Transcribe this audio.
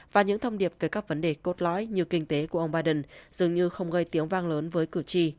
và những thông điệp về các vấn đề cốt lõi như kinh tế của ông biden dường như không gây tiếng vang lớn với cử tri